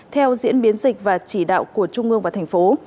theo diễn biến dịch và chỉ đạo của trung ương và thành phố